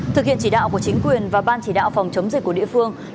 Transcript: thực hiện chỉ đạo của chính quyền và ban chỉ đạo phòng chống dịch covid một mươi chín